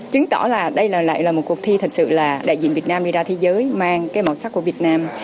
chứng tỏ là đây lại là một cuộc thi thật sự là đại diện việt nam đi ra thế giới mang cái màu sắc của việt nam